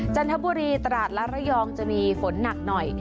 จันทบุรีตราดและระยองจะมีฝนหนักหน่อย